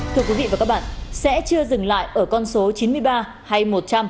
thưa quý vị và các bạn sẽ chưa dừng lại ở con số chín mươi ba hay một trăm linh